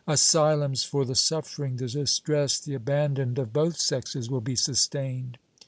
Asylums for the suffering, the distressed, the abandoned of both sexes will be sustained.